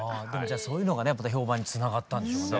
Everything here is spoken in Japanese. そういうのがねまた評判につながったんでしょうね。